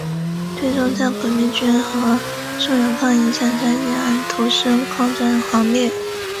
最终在革命军和宋永芳的影响下毅然投身抗战行列。